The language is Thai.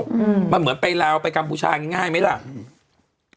อืมมันเหมือนไปลาวไปกัมพูชาง่ายง่ายไหมล่ะอืม